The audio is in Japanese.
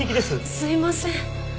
すいません。